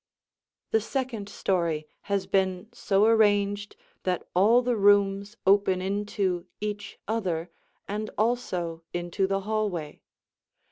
The second story has been so arranged that all the rooms open into each other and also into the hallway.